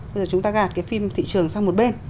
bây giờ chúng ta gạt cái phim thị trường sang một bên